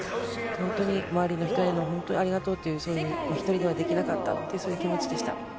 本当に、周りの人への、ありがとうという、一人ではできなかったっていうそういう気持ちでした。